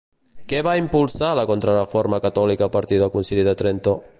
Què va impulsar la Contrareforma catòlica a partir del Concili de Trento?